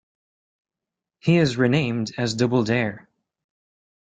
He is renamed as Doubledare.